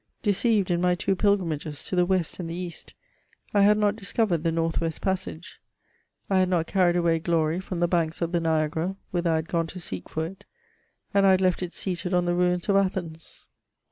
Deceived in my two pilgrimages — to the West and the East, I had not dis covered the North west passage $ I had not carried away glory from the banks of the Niagara, whither I had gone to seek for it, and I had left it seated on theTuins of Athens.